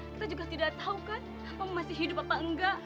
kita juga tidak tahu kan apa masih hidup apa enggak